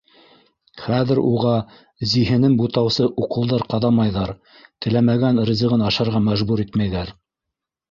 Хәҙер уға зиһенен бутаусы уколдар ҡаҙамайҙар, теләмәгән ризығын ашарға мәжбүр итмәйҙәр.